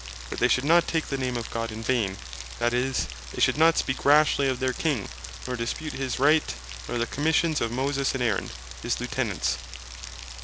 That "they should not take the Name of God in vain;" that is, they should not speak rashly of their King, nor dispute his Right, nor the commissions of Moses and Aaron, his Lieutenants.